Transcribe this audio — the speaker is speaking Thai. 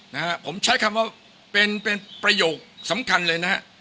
นะฮะผมใช้คำว่าเป็นเป็นประโยคสำคัญเลยนะฮะ